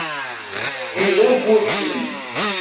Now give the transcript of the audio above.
Ni legu ĝin!